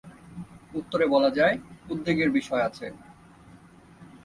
উত্তরে বলা যায়, উদ্বেগের বিষয় আছে।